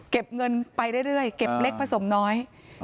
เก็บเงินไปเรื่อยเก็บเล็กผสมน้อย